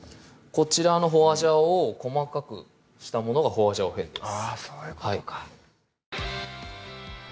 こちらの花椒を細かくしたものがホァジャオフェンです